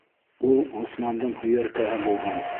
Ул Ғосмандың һөйәркәһе булған.